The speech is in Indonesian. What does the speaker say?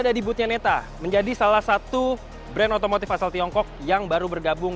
ada di boothnya neta menjadi salah satu brand otomotif asal tiongkok yang baru bergabung